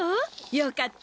よかった。